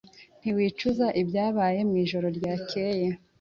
Ntiwicuza ibyabaye mwijoro ryakeye?